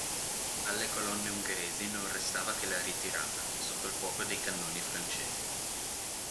Alle colonne ungheresi non restava che la ritirata, sotto il fuoco dei cannoni francesi.